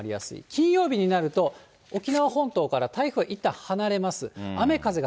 金曜日になると、沖縄本島から台風はいったん離れます。